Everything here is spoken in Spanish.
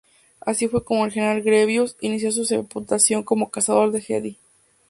Así fue como el General Grievous inició su reputación como cazador de Jedi.